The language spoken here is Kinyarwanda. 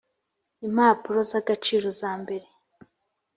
impapuro z agaciro zambere